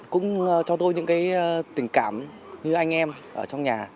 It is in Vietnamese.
cũng cho tôi những tình cảm như anh em ở trong nhà